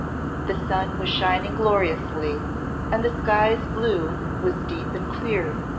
The sun was shining gloriously, and the skies' blue was deep and clear.